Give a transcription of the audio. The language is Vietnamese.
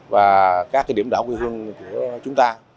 và các điểm đảo quê hương của chúng ta